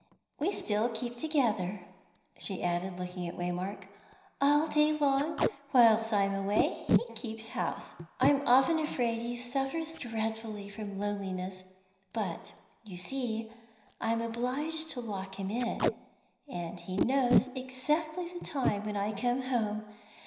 We still keep together," she added, looking at Waymark. "All day long, whilst I'm away, he keeps house; I'm often afraid he suffers dreadfully from loneliness, but, you see, I'm obliged to lock him in. And he knows exactly the time when I come home.